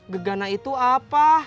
gegana itu apa